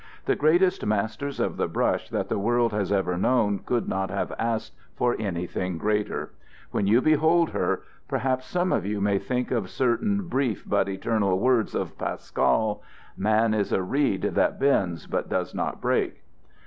The greatest masters of the brush that the world has ever known could not have asked for anything greater. When you behold her, perhaps some of you may think of certain brief but eternal words of Pascal: 'Man is a reed that bends but does not break.'